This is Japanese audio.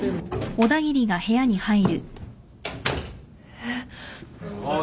えっ？